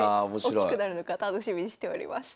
大きくなるのか楽しみにしております。